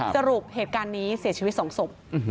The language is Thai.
สรุปเหตุการณ์นี้เสียชีวิต๒ศพ